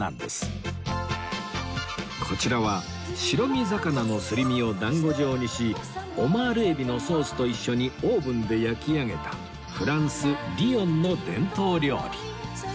こちらは白身魚のすり身を団子状にしオマール海老のソースと一緒にオーブンで焼き上げたフランスリヨンの伝統料理